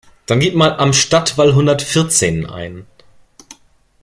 Dann gib mal Am Stadtwall hundertvierzehn ein.